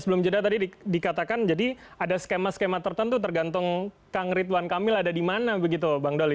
sebelum jeda tadi dikatakan jadi ada skema skema tertentu tergantung kang ridwan kamil ada di mana begitu bang doli